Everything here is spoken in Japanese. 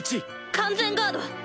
完全ガード！